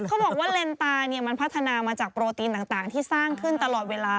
เขาบอกว่าเลนตายมันพัฒนามาจากโปรตีนต่างที่สร้างขึ้นตลอดเวลา